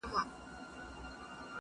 ایوبه توره دي د چا تر لاسه ورسېده٫